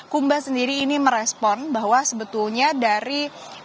kumba sendiri ini merespon bahwa sebetulnya dari